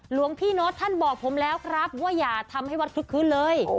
หลวงพี่โน๊ตท่านบอกผมแล้วครับว่าอย่าทำให้วัดคลึกคืนเลย